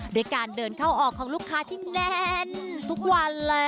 ด้วยการเดินเข้าออกของลูกค้าที่แน่นทุกวันเลย